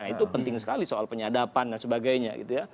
itu penting sekali soal penyadapan dan sebagainya